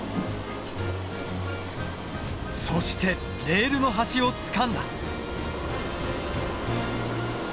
そしてレールの端をつかんだ。